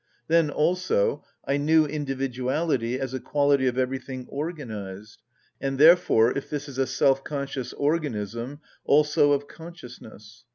Then, also: I knew individuality as a quality of everything organised, and therefore, if this is a self‐conscious organism, also of consciousness.